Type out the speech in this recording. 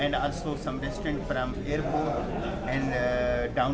dan juga beberapa restoran dari airport dan kota bawah